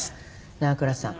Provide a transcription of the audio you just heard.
長倉さん。